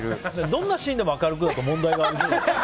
どんなシーンでも明るくだと問題がありそうだけど。